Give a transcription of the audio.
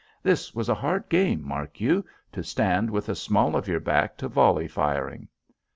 This was a hard game, mark you to stand with the small of your back to volley firing.